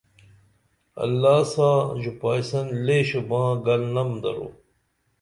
اللہ ساں ژوپائیسن لے شُباں گل نم درو